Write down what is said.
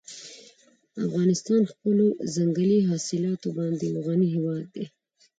افغانستان په خپلو ځنګلي حاصلاتو باندې یو غني هېواد دی.